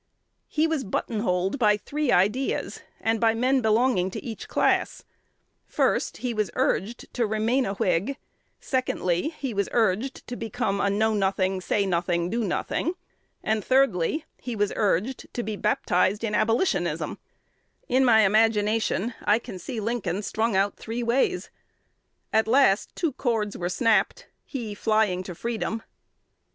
"He was button holed by three ideas, and by men belonging to each class: first, he was urged to remain a Whig; secondly, he was urged to become a Know Nothing, Say Nothing, Do Nothing; and, thirdly, he was urged to be baptized in Abolitionism: and in my imagination I can see Lincoln strung out three ways. At last two cords were snapped, he flying to Freedom."